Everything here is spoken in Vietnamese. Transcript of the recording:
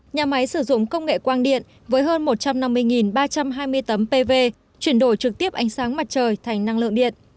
nhà máy sử dụng công nghệ quang điện với hơn một trăm năm mươi ba trăm hai mươi tấm pv chuyển đổi trực tiếp ánh sáng mặt trời thành năng lượng điện